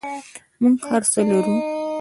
موږ هر څه لرو